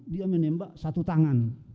dia menembak satu tangan